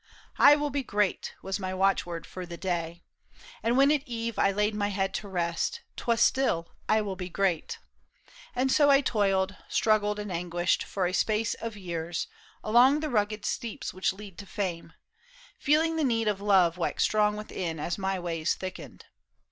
' I will be Great !' was my watchword for the day ; And when at eve I laid my head to rest, 'Twas still, ' I will be great !' And so I. toiled, Struggled and anguished for a space of years Along the rugged steeps which lead to Fame, Feeling the need of love wax strong within As my ways thickened.